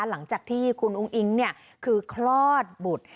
หลังจากที่คุณอุ้งอิ๊งคือคลอดบุตร